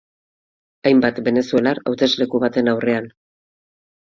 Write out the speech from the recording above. Hainbat venezuelar hautesleku baten aurrean.